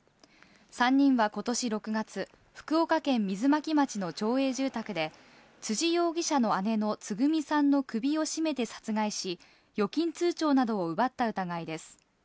３人はことし６月、福岡県水巻町の町営住宅で、辻容疑者の姉のつぐみさんの首を絞めて殺害し、預金通帳などを奪った疑いです。